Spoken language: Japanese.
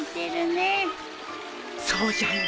そうじゃよ